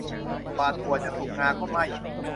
กว่าถั่วจะสุกงาก็ไหม้